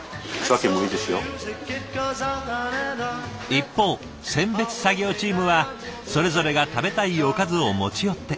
一方選別作業チームはそれぞれが食べたいおかずを持ち寄って。